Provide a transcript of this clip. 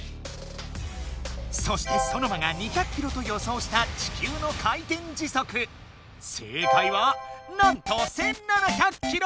そしてソノマが２００キロと予想した地球の回転時速正解はなんと１，７００キロ！